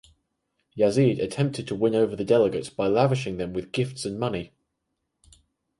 Yazid attempted to win over the delegates by lavishing them with gifts and money.